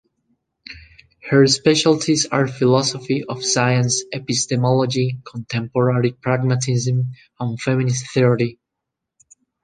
Her specialties are philosophy of science, epistemology, contemporary pragmatism, and feminist theory.